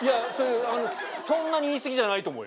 そんなに言い過ぎじゃないと思う